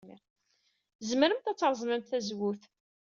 Tzemremt ad treẓmemt tazewwut.